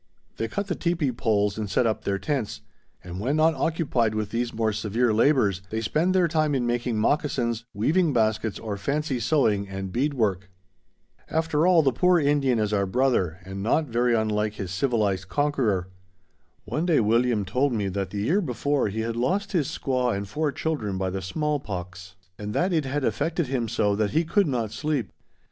They cut the teepee poles and set up their tents; and when not occupied with these more severe labors, they spend their time in making moccasins, weaving baskets, or fancy sewing and bead work. [Illustration: Tom Chiniquy. By courtesy of Mr. S. B. Thompson. New Westminster, B. C.] After all, the poor Indian is our brother, and not very unlike his civilized conqueror. One day William told me that the year before he had lost his squaw and four children by the smallpox, and that it had affected him so that he could not sleep.